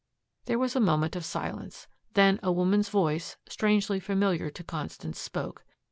There was a moment of silence. Then a woman's voice, strangely familiar to Constance, spoke.